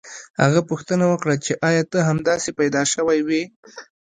هغه پوښتنه وکړه چې ایا ته همداسې پیدا شوی وې